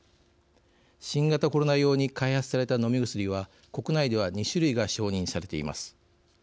新型コロナ用に開発された飲み薬は国内では２種類が承認されています。